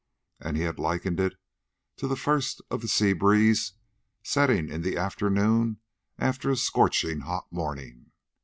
And he had likened it to the first of the sea breeze setting in the afternoon after a scorching hot morning.